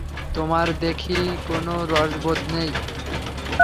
তোমার দেখি কোনো রসবোধ নেই।